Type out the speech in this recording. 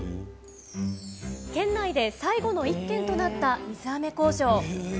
県内で最後の一軒となった水あめ工場。